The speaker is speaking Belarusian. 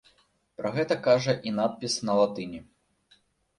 Пра гэта кажа і надпіс на латыні.